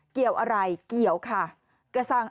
เกี่ยวอะไรเกี่ยวค่ะ